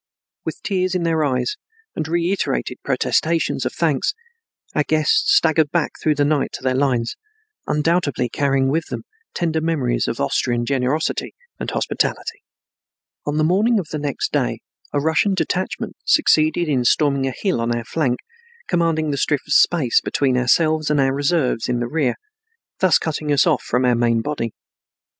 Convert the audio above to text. With tears in their eyes and reiterated protestations of thanks, our guests staggered back through the night to their lines, undoubtedly carrying with them tender memories of Austrian generosity and hospitality. On the morning of the next day a Russian detachment succeeded in storming a hill on our flank, commanding the strip of space between ourselves and our reserves in the rear, thus cutting us off from our main body.